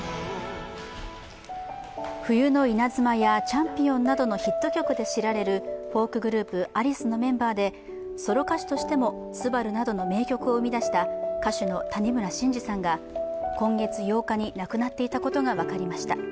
「冬の稲妻」や「チャンピオン」などのヒット曲で知られるフォークグループ、アリスのメンバーで、ソロ歌手としても「昴−すばる−」などの名曲を生み出した歌手の谷村新司さんが、今月８日に亡くなっていたことが分かりました。